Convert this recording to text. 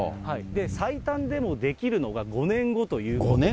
最短でも出来るのが５年後ということで。